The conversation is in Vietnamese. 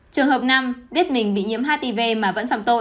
trường hợp năm biết mình bị nhiễm hitv mà vẫn phạm tội